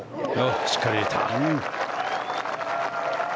しっかり入れたね。